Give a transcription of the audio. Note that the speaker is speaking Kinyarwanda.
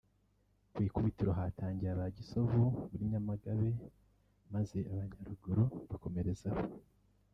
Ku ikubitiro hatangiye aba Gisovu muri Nyamagabe maze aba Nyaruguru bakomerezaho